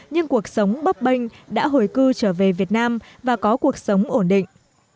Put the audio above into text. nhưng cuộc sống bấp bênh đã hồi cư trở về việt nam và có cuộc sống ổn định